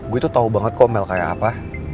gue tuh tau banget kok mel kayak apa